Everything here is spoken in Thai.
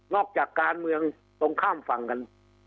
จากการเมืองตรงข้ามฝั่งกัน